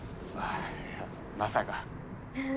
いやまさか。